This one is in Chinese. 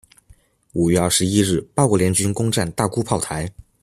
五月二十一日八国联军攻战大沽炮台。